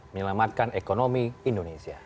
menyelamatkan ekonomi indonesia